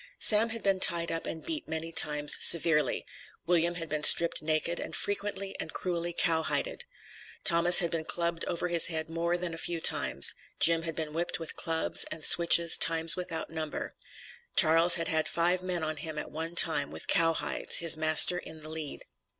Sam had been tied up and beat many times severely. William had been stripped naked, and frequently and cruelly cowhided. Thomas had been clubbed over his head more times than a few. Jim had been whipped with clubs and switches times without number. Charles had had five men on him at one time, with cowhides, his master in the lead.